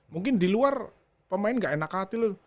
mungkin di luar pemain gak enak hati loh